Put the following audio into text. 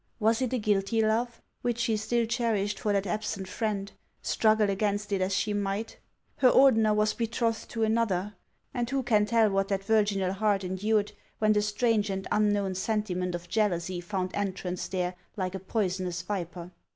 Was it a guilty love which she still cherished for that absent friend, struggle against it as she might ? Her Ordener was be trothed to another ! And who can tell what that virginal heart endured when the strange and unknown sentiment of jealousy found entrance there like a poisonous viper